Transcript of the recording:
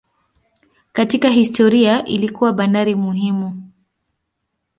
Katika historia ilikuwa bandari muhimu.